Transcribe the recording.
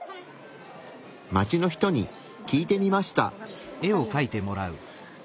街の人に聞いてみました。